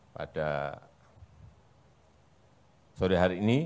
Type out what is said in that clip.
pada sore hari ini